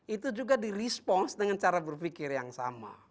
itu juga di response dengan cara berpikir yang sama